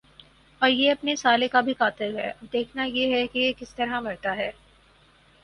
اور یہ اپنے سالے کا بھی قاتل ھے۔ اب دیکھنا یہ ھے کہ یہ کس طرع مرتا ھے۔